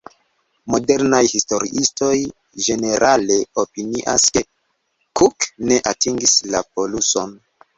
Modernaj historiistoj ĝenerale opinias, ke Cook ne atingis la poluson.